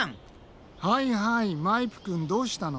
はいはいマイプくんどうしたの？